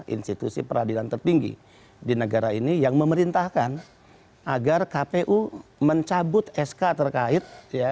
institusi peradilan tertinggi di negara ini yang memerintahkan agar kpu mencabut sk terkait